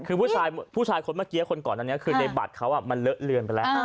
คือผู้ชายผู้ชายคนเมื่อกี้คนก่อนอันนี้คือในบัตรเขามันเลอะเลือนไปแล้ว